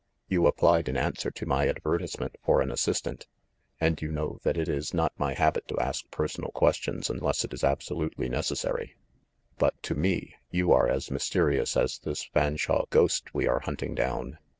You applied in answer to my ad vertisement for an assistant, and you know that it is not my habit to ask personal questions unless it is abso lutely necessary. But, to me, you are as mysterious as this Fanshawe. ghost we are hunting down.